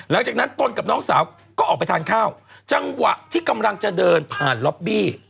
ตนกับน้องสาวก็ออกไปทานข้าวจังหวะที่กำลังจะเดินผ่านล็อบบี้